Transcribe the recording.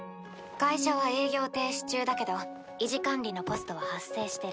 会社は営業停止中だけど維持管理のコストは発生してる。